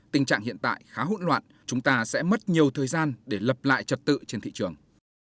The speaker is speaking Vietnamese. tình trạng hiện tại khá hỗn loạn chúng ta sẽ mất nhiều thời gian để lập lại trật tự trên thị trường